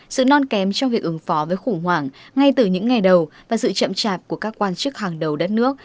sự non kém trong việc ứng phó với khủng hoảng ngay từ những ngày đầu và sự chậm chạp của các quan chức hàng đầu đất nước